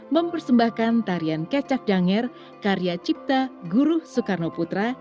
mempersembahkan tarian kecak daner karya cipta guru soekarno putra